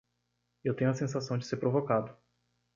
Eu tenho a sensação de ser provocado